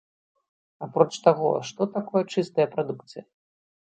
Апроч таго, што такое чыстая прадукцыя?